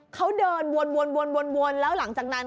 เขาเดินวนแล้วหลังจากนั้น